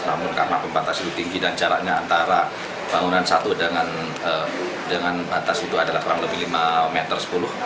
namun karena pembatas itu tinggi dan jaraknya antara bangunan satu dengan batas itu adalah kurang lebih lima meter sepuluh